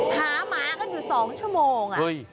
หาหมาก็อยู่๒ชั่วโมงอ่ะเฮ้ย